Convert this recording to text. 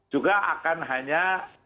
juga akan hanya